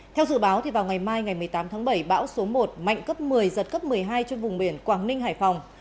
theo dự báo vào ngày mai ngày một mươi tám tháng bảy bão số một mạnh cấp một mươi giật cấp một mươi hai trên vùng biển quảng ninh hải phòng